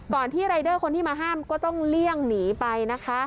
ที่รายเดอร์คนที่มาห้ามก็ต้องเลี่ยงหนีไปนะคะ